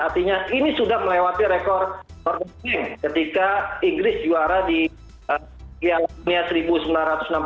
artinya ini sudah melewati rekor nordic games ketika inggris juara di dunia seribu sembilan ratus enam puluh enam